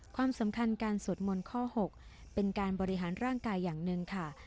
ความสำคัญการสวดมนต์ข้อ๖เป็นการบริหารร่างกายอย่างหนึ่งค่ะ